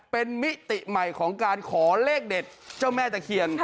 เป็นมิติใหม่ของการขอเลขเด็ดเจ้าแม่ตะเคียน